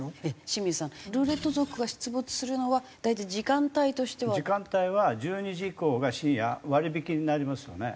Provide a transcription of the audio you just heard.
清水さんルーレット族が出没するのは大体時間帯としては？時間帯は１２時以降が深夜割引になりますよね。